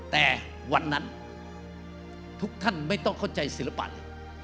แต่วันนั้นทุกท่านไม่ต้องเข้าใจศิลปะ